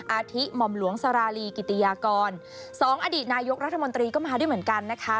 อาทิหม่อมหลวงสาราลีกิติยากรสองอดีตนายกรัฐมนตรีก็มาด้วยเหมือนกันนะคะ